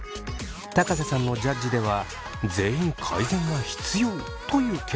瀬さんのジャッジでは全員「改善が必要！」という結果に。